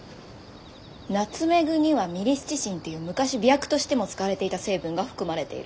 ナツメグにはミリスチシンっていう昔媚薬としても使われていた成分が含まれている。